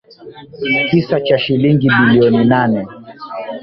Kiasi cha shilingi bilioni nane